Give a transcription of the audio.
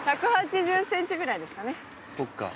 １８０ｃｍぐらいですかね。